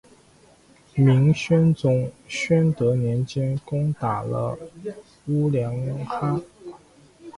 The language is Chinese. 明宣宗宣德年间攻打击兀良哈。